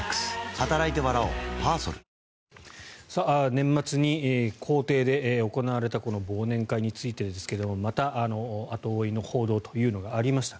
年末に公邸で行われたこの忘年会についてですがまた後追いの報道というのがありました。